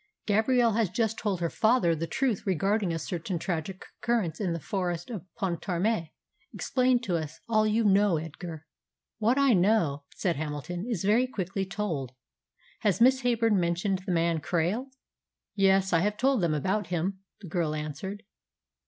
"Gabrielle has just told her father the truth regarding a certain tragic occurrence in the Forest of Pontarmé. Explain to us all you know, Edgar." "What I know," said Hamilton, "is very quickly told. Has Miss Heyburn mentioned the man Krail?" "Yes, I have told them about him," the girl answered.